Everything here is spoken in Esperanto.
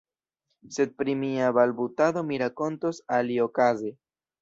Sed pri mia balbutado mi rakontos aliokaze.